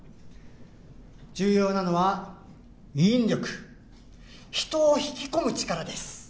重要なのは引力人を引き込む力です